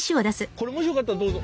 これもしよかったらどうぞ！